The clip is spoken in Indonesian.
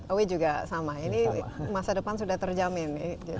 owi juga sama ini masa depan sudah terjamin